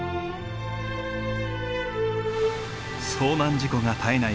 遭難事故が絶えない